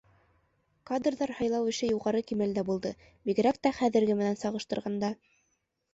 Кадрҙар һайлау эше юғары кимәлдә булды, бигерәк тә хәҙерге менән сағыштырғанда.